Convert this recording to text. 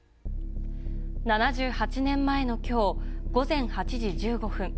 ７８年前のきょう、午前８時１５分。